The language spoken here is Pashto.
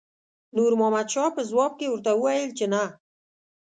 نور محمد شاه په ځواب کې ورته وویل چې نه.